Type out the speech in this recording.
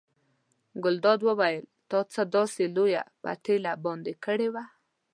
ګلداد وویل تا څه داسې لویه پتیله باندې کړې وه.